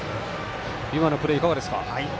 今のプレーはいかがですか？